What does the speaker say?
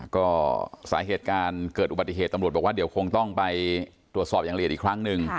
ก็สาเหตุการเกิดอุบัติเหตุตำรวจบอกว่าเดี๋ยวคงต้องไปตรวจสอบอย่างละเอียดอีกครั้งหนึ่ง